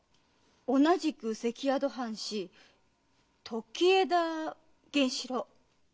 同じく関宿藩士時枝源史郎。